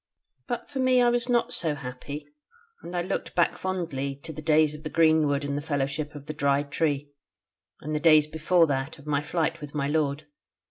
"But for me I was not so happy: and I looked back fondly to the days of the greenwood and the fellowship of the Dry Tree, and the days before that, of my flight with my lord.